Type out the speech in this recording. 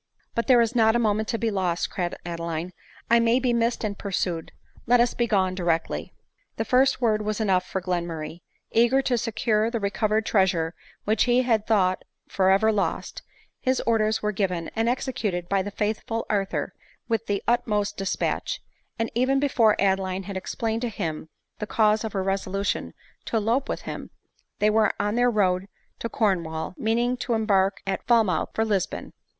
" But there is not a moment to be lost," cried Ade line ;" I may be missed and pursued ; let us be gone directly." The first word was enough for Glenmurray ; eager to secure the recovered treasure which he had thought for ever lost, his orders were given, and executed by the faithful Arthur with the utmost despatch ; and even be fore Adeline had explained to him the cause of her reso lution to elope with him, they were on their road to Corn wall, meaning to embark at Falmouth for Lisbon.